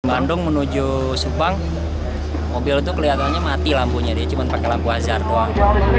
bandung menuju subang mobil itu kelihatannya mati lampunya dia cuma pakai lampu azhar doang